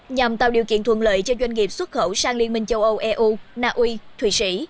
nhằm tạo điều kiện thuận lợi cho doanh nghiệp xuất khẩu sang liên minh châu âu eu naui thụy sĩ